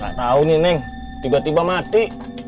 gak tau nih neng tiba tiba mati